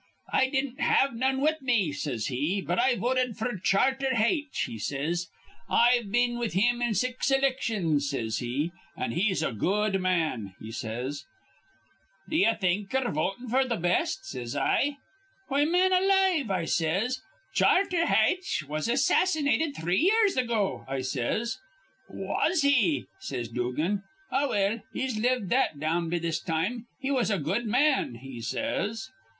'I didn't have none with me,' says he, 'but I voted f'r Charter Haitch,' says he. 'I've been with him in six ilictions,' says he, 'an' he's a good man,' he says. 'D'ye think ye're votin' f'r th' best?' says I. 'Why, man alive,' I says, 'Charter Haitch was assassinated three years ago,' I says. 'Was he?' says Dugan. 'Ah, well, he's lived that down be this time. He was a good man,' he says.